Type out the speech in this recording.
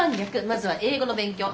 まずは英語の勉強。